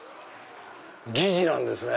疑似なんですね。